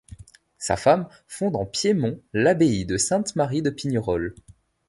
Sa femme fonde en Piémont l'abbaye de Sainte-Marie de Pignerol.